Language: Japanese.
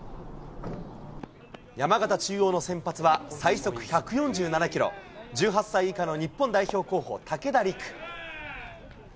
山形中央の先発は、最速１４７キロ、１８歳以下の日本代表候補、武田りく。